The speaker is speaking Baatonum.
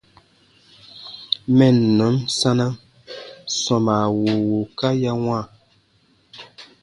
Mɛnnɔn sanam sɔmaa wùu wùuka ya wãa.